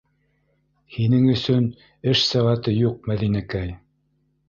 Һинең өсөн эш сәғәте юҡ, Мәҙинәкәй.